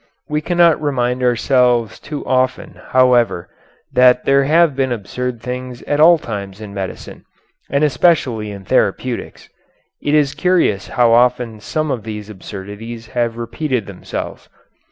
We cannot remind ourselves too often, however, that there have been absurd things at all times in medicine, and especially in therapeutics. It is curious how often some of these absurdities have repeated themselves.